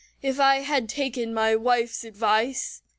"If I had taken my wife's advice!"